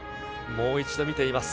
もう一度見ています。